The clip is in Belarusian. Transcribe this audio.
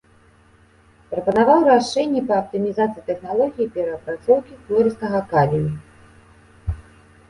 Прапанаваў рашэнні па аптымізацыі тэхналогіі перапрацоўкі хлорыстага калію.